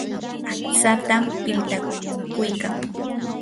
aqtsatam piltakuykaa.